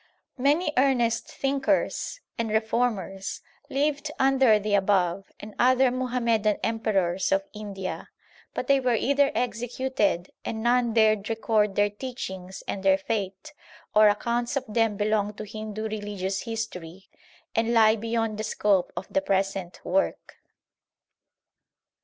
Many earnest thinkers and reformers lived under the above and other Muhammadan emperors of India, but they were either executed and none dared record their teachings and their fate, or accounts of them belong to Hindu religious history, and lie beyond the scope of the present work.